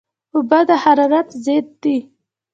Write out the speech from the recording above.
اوبه د حرارت ضد دي